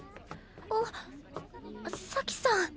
あっ咲さん。